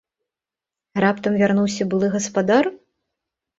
Раптам вярнуўся былы гаспадар?